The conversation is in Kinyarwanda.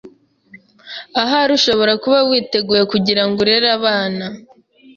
Ahari ushobora kuba witeguye kwitanga kugirango urere abana